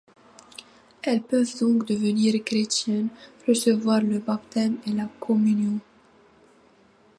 Elles peuvent donc devenir chrétiennes, recevoir le baptême et la communion.